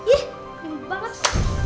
ih dingin banget